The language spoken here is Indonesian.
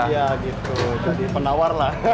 iya gitu jadi penawar lah